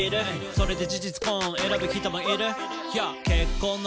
「それで事実婚選ぶ人もいる」